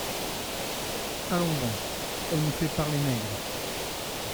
Allons bon, elle me fait parler nègre.